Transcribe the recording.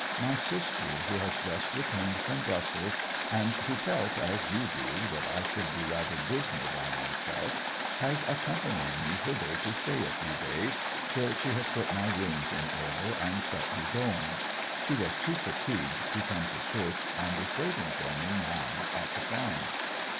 'My sister, who has just returned from Brussels, and who felt, as you do, that I should be rather dismal by myself, has accompanied me hither to stay a few days till she has put my rooms in order and set me going. She was too fatigued to come to church, and is waiting for me now at the farm.